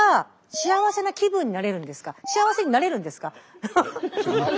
幸せになれるんですか？